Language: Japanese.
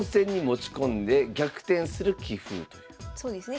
そうですね。